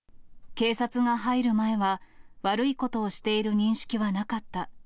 警察が入る前は、悪いことをしている認識はなかった。